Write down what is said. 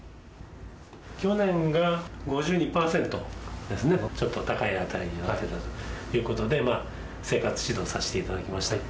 去年が５２％ですね、ちょっと高い値になってたということで、生活指導させていただきました。